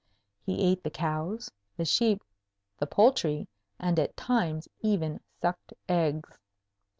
He ate the cows, the sheep, the poultry, and at times even sucked eggs.